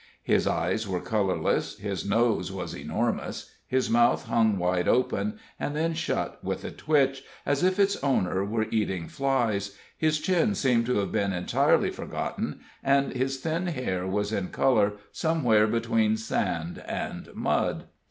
His eyes were colorless, his nose was enormous, his mouth hung wide open and then shut with a twitch, as if its owner were eating flies, his chin seemed to have been entirely forgotten, and his thin hair was in color somewhere between sand and mud.